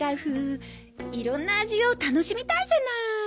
いろんな味を楽しみたいじゃない。